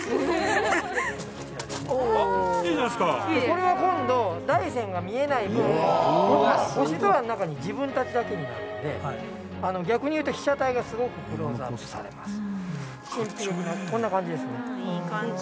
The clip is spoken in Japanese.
これは、今度大山が見えない分、星空の中に自分たちだけになるので逆に言うと、被写体がすごくクローズアップされます。